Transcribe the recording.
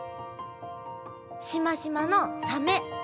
しましまのサメ。